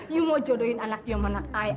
you mau jodohin anak you sama anak i